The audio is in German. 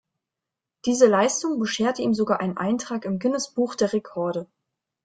Diese Leistung bescherte ihm sogar einen Eintrag im Guinness-Buch der Rekorde.